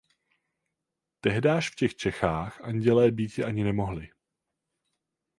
Tehdáž v těch Čechách andělé býti ani nemohli.